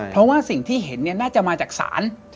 เพราะว่าสิ่งที่เห็นน่าจะมาจากศาล